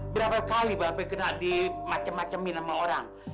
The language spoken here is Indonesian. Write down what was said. berapa kali bape kena dimacem macemin sama orang